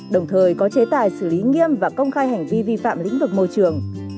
đồng thời có chế tài xử lý nghiêm và công khai hành vi vi phạm lĩnh vực môi trường